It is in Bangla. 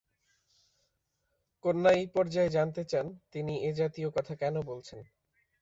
কন্যা এই পর্যায়ে জানতে চান, তিনি এ-জাতীয় কথা কেন বলছেন।